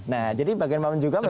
nah jadi bagaimanapun juga memang